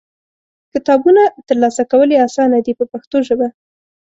کتابونه ترلاسه کول یې اسانه دي په پښتو ژبه.